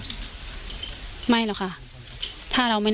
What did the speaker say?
การแก้เคล็ดบางอย่างแค่นั้นเอง